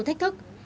nhiều thách thức